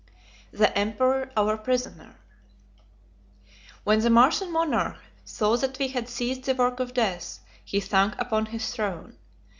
The Emperor Our Prisoner. When the Martian monarch saw that we had ceased the work of death, he sank upon his throne.